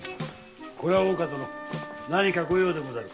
これは大岡殿何か御用でござるか？